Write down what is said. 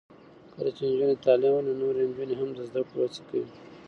کله چې نجونې تعلیم ولري، نو نورې نجونې هم د زده کړې هڅې کوي.